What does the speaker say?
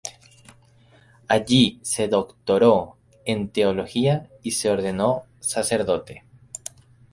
Allí se doctoró en teología y se ordenó sacerdote.